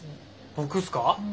僕っすか？